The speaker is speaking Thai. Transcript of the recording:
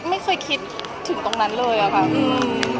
ไม่ค่อยคิดถึงตรงนั้นเลยอะครับ